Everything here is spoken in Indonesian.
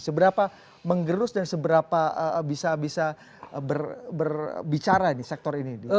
seberapa menggerus dan seberapa bisa bisa berbicara ini sektor ini